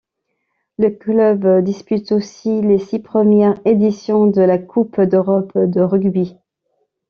Le club dispute aussi les six premières éditions de la Coupe d’Europe de rugby.